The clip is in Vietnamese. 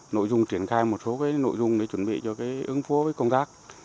nội dung triển khai một số nội dung để chuẩn bị cho ứng phố công tác